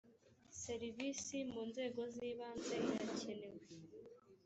serivisi munzego zibanze irakenewe.